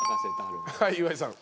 はい岩井さん。